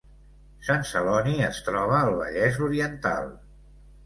Sant Celoni es troba al Vallès Oriental